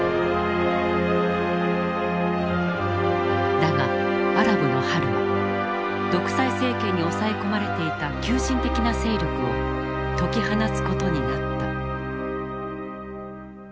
だがアラブの春は独裁政権に押さえ込まれていた急進的な勢力を解き放つことになった。